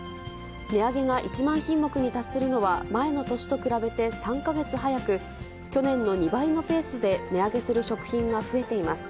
値上げが１万品目に達するのは前の年と比べて３か月早く、去年の２倍のペースで、値上げする食品が増えています。